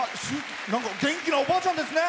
元気なおばあちゃんですね。